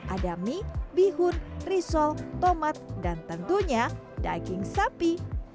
ada mie bihun risol tomat dan tentunya daging sapi